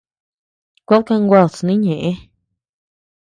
Kueʼëd kanguad snï ñeʼe.